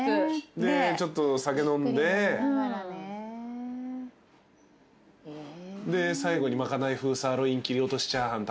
でちょっと酒飲んで。で最後に賄い風サーロイン切り落としチャーハン食べてね。